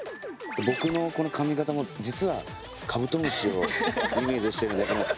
僕のこの髪形も実はカブトムシをイメージしてるんだけど。